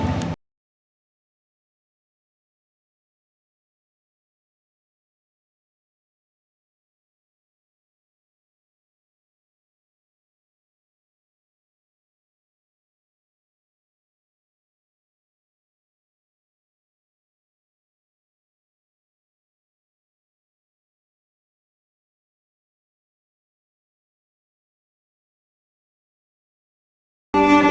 ya allah ya tuhan